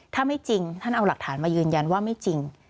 ถ้าไม่จริงท่านเอาหลักฐานมายืนยันว่าไม่จริง